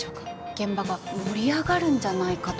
現場が盛り上がるんじゃないかと。